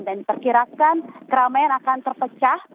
dan diperkirakan keramaian akan terpecah